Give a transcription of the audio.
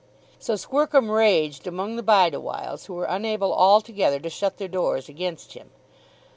So Squercum raged among the Bideawhiles, who were unable altogether to shut their doors against him.